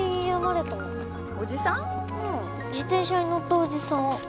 自転車に乗ったおじさん。